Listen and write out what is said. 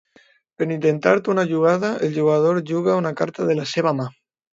Per intentar una jugada, el jugador juga una carta de la seva mà.